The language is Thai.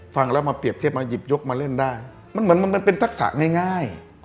ฟังแล้วมาเปรียบเทียบมาหยิบยกมาเล่นได้มันเหมือนมันเป็นทักษะง่าย